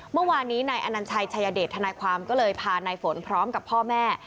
เมื่อวานนี้นายอนัญชัยชายเดชทนายความก็เลยพานายฝนพร้อมกับพ่อแม่